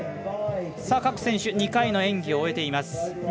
各選手、２回の演技を終えています。